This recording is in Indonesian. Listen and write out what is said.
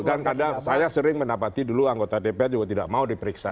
dan kadang saya sering mendapati dulu anggota dpr juga tidak mau diperiksa